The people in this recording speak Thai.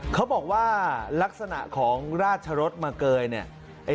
เขาบอกว่าลักษณะของราชรสมาเกยเนี่ย